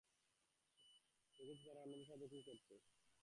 দেখেছি তারা অন্যদের সাথে কী করেছে।